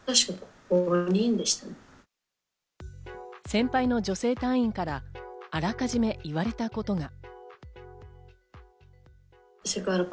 先輩の女性隊員からあらかじめ言われたことが。